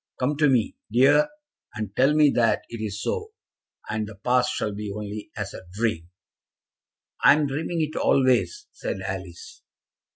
Come to me, dear, and tell me that it is so, and the past shall be only as a dream." "I am dreaming it always," said Alice.